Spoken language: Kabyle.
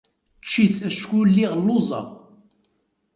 Čči-t acku lliɣ lluẓeɣ.